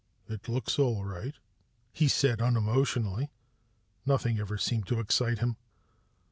"It looks all right," he said unemotionally. Nothing ever seemed to excite him.